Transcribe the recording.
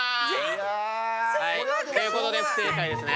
全然分かんない！ということで不正解ですね。